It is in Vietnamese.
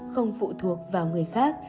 không phụ thuộc vào người khác